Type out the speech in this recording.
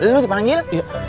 dulu di panggil